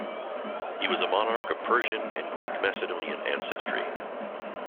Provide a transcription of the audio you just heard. He was a monarch of Persian and Greek Macedonian ancestry.